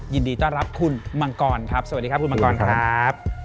ยินดีต้อนรับคุณมังกรครับสวัสดีครับคุณมังกรครับ